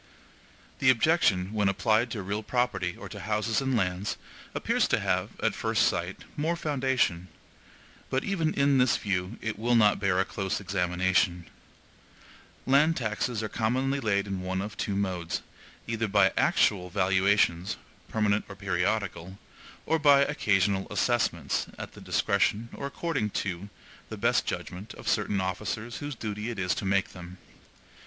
The objection, when applied to real property or to houses and lands, appears to have, at first sight, more foundation, but even in this view it will not bear a close examination. Land taxes are commonly laid in one of two modes, either by ACTUAL valuations, permanent or periodical, or by OCCASIONAL assessments, at the discretion, or according to the best judgment, of certain officers whose duty it is to make them.